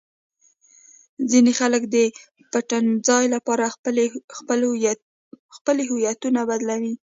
ځینې خلک د پټنځای لپاره خپلې هویتونه بدلوي.